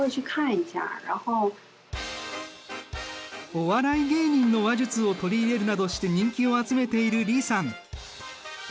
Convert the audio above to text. お笑い芸人の話術を取り入れるなどして人気を集めている李さん。